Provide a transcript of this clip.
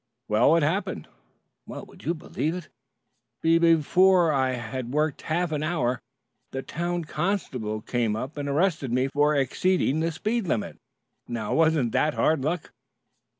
"Well, what happened?" "Would you believe it, be before I'd been at work half an hour, the town constable came up and arrested me for exceeding the speed limit. Now now wasn't that hard luck?"